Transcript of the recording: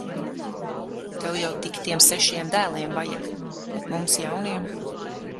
Tev jau tik tiem sešiem dēliem vajag! Bet mums jauniem.